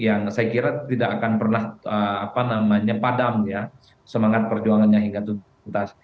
saya kira tidak akan pernah padam semangat perjuangannya hingga tujuh